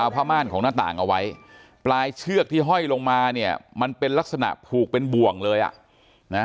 ปลายเชือกที่ห้อยลงมาเนี่ยมันเป็นลักษณะผูกเป็นบ่วงเลยอ่ะนะ